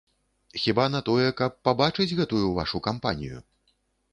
Хіба на тое, каб пабачыць гэтую вашу кампанію?